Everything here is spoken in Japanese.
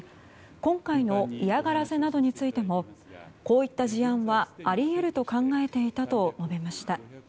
今回の嫌がらせなどについてもこういった事案はあり得ると考えていたと述べました。